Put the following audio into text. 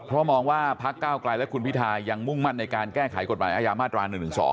เพราะมองว่าพักเก้าไกลและคุณพิทายังมุ่งมั่นในการแก้ไขกฎหมายอาญามาตรา๑๑๒